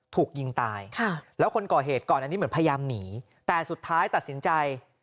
ถูกยิงตายแล้วคนก่อเหตุก่อนอันนี้เหมือนพยายามหนีแต่สุดท้ายตัดสินใจ